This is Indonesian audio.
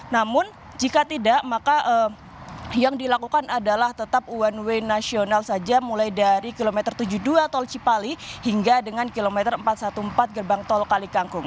namun jika tidak maka yang dilakukan adalah tetap one way nasional saja mulai dari kilometer tujuh puluh dua tol cipali hingga dengan kilometer empat ratus empat belas gerbang tol kalikangkung